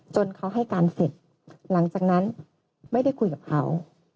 จนเขาให้การเสร็จหลังจากนั้นไม่ได้คุยกับเขา